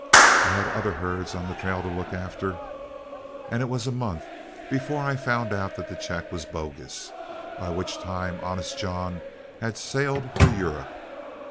I had other herds on the trail to look after, and it was a month before I found out that the check was bogus, by which time Honest John had sailed for Europe.